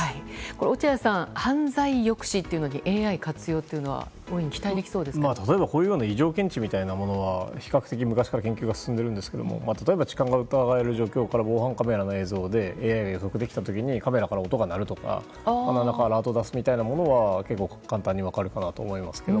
落合さん、犯罪抑止というのにＡＩ活用は異常検知みたいなものは比較的、昔から研究が進んでいるんですが例えば痴漢が疑われる状況で防犯カメラの映像で、ＡＩがカメラから音が鳴るとかアラートを出すみたいなことは結構、簡単にできると思います。